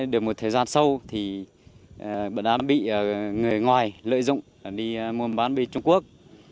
được một thời gian sâu thì bà đã bị người ngoài lợi dụng đi mua bán bị trung quốc